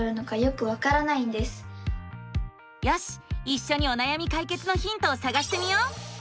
いっしょにおなやみ解決のヒントをさがしてみよう！